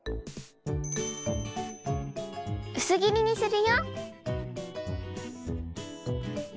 うすぎりにするよ。